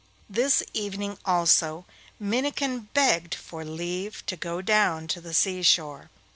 This evening also, Minnikin begged for leave to go down to the sea shore.